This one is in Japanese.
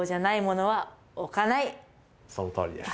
そのとおりです。